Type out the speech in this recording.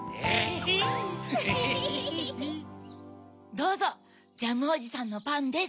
どうぞジャムおじさんのパンです。